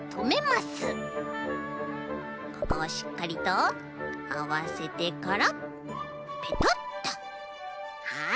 ここをしっかりとあわせてからペトッとはい！